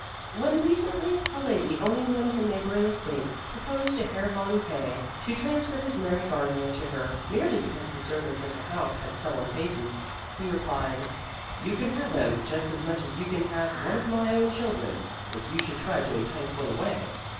When, recently, a lady, owning one of the neighbouring estates, proposed to Herr von K. to transfer his merry gardener to her, merely because the servants in her house had sullen faces, he replied: "You can have him, just as much as you can have one of my own children, if you should try to entice one away.